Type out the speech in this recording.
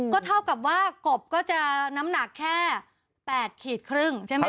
ก็เท่ากับว่ากบก็จะน้ำหนักแค่๘ขีดครึ่งใช่ไหมค